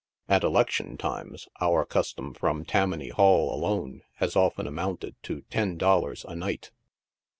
At elec tion times, our custom from Tammany Hall alone has often amounted to ten dollars a night.